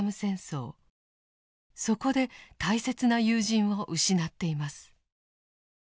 そこで大切な友人を失っています。